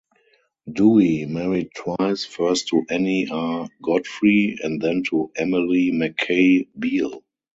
Dewey married twice, first to Annie R. Godfrey, and then to Emily McKay Beal.